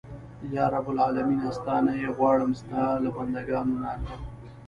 یا رب العالمینه ستا نه یې غواړم ستا له بنده ګانو نه.